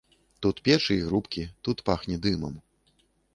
Тут печы і грубкі, тут пахне дымам.